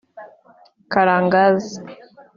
Karangazi